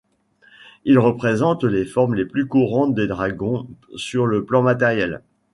Ils représentent les formes les plus courantes des dragons sur le Plan Matériel.